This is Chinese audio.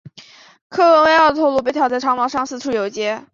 克伦威尔的头颅被挑在长矛上四处游街。